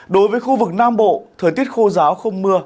đối với khu vực nam bộ thời tiết khô giáo không mưa